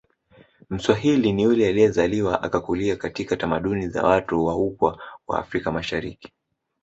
Mswahili ni yule aliyezaliwa akakulia katika tamaduni za watu wa upwa wa afrika mashariki